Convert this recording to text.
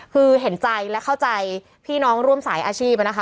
คือเห็นใจและเข้าใจพี่น้องร่วมสายอาชีพนะคะ